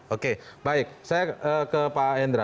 oke baik saya ke pak hendra